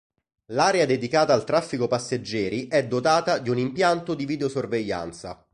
L'area dedicata al traffico passeggeri è dotata di un impianto di videosorveglianza.